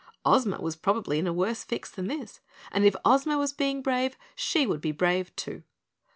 Ozma was probably in a worse fix than this, and if Ozma was being brave, she would be brave, too.